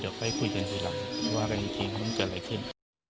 เดี๋ยวค่อยคุยกันทีหลังว่ากันอีกทีว่ามันเกิดอะไรขึ้น